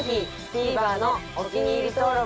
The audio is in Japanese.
ＴＶｅｒのお気に入り登録